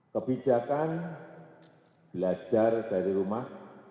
kebijakan belajar dari rumah